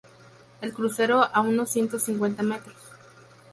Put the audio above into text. El crucero a unos ciento cincuenta metros.